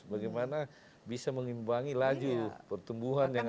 bagaimana bisa mengimbangi laju pertumbuhan yang ada